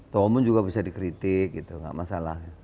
toh omong juga bisa dikritik gitu enggak masalah